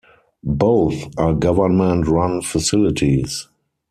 Both are government run facilities.